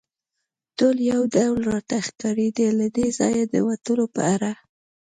ټولې یو ډول راته ښکارېدې، له دې ځایه د وتلو په اړه.